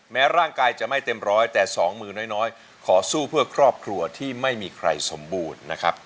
แม้ร่างกายจะไม่เต็มร้อยแต่สองมือน้อยขอสู้เพื่อครอบครัวที่ไม่มีใครสมบูรณ์นะครับ